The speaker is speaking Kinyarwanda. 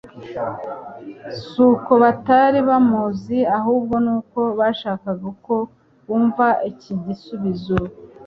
Si uko batari bamuzi, ahubwo ni uko bashakaga uko bumva iki gisubizo